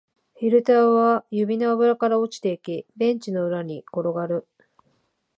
フィルターは指の間から落ちていき、ベンチの裏に転がる